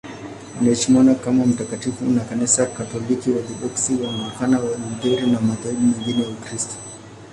Anaheshimiwa kama mtakatifu na Kanisa Katoliki, Waorthodoksi, Waanglikana, Walutheri na madhehebu mengine ya Ukristo.